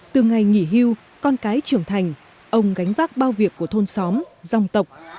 từ ngày nghỉ hưu con cái trưởng thành ông gánh vác bao việc của thôn xóm dòng tộc